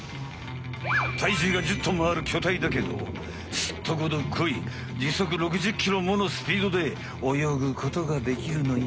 体重が１０トンもあるきょたいだけどすっとこどっこい時速６０ｋｍものスピードでおよぐことができるのよ。